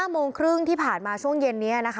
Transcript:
โมงครึ่งที่ผ่านมาช่วงเย็นนี้นะคะ